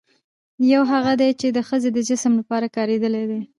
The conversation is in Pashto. يوهغه دي، چې د ښځې د جسم لپاره کارېدلي دي